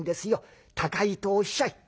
高いとおっしゃい」。